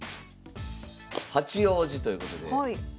八王子ということで。